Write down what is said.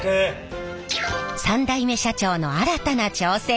３代目社長の新たな挑戦。